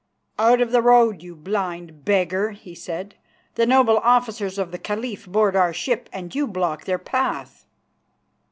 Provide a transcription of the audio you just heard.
"Out of the road, you blind beggar," he said. "The noble officers of the Caliph board our ship, and you block their path."